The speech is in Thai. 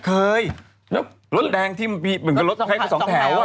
เคยรถแดงที่เหมือนกับรถไข่สองแถว